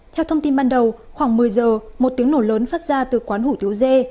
theo thông tin ban đầu khoảng một mươi giờ một tiếng nổ lớn phát ra từ quán hủ tiếu dê